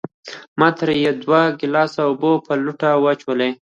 ما ترې يو دوه ګلاسه اوبۀ پۀ لوټه واچولې